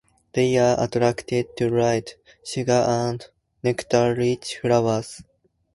They are attracted to light, sugar and nectar-rich flowers.